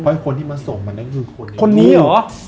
เพราะไอคนที่มาส่งแรกคนนี้หรอ